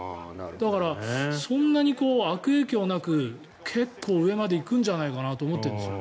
だから、そんなに悪影響なく結構上まで行くんじゃないかなと思っているんですよね。